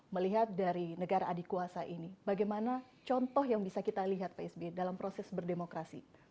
melihat dari negara adikuasa ini bagaimana contoh yang bisa kita lihat pak sby dalam proses berdemokrasi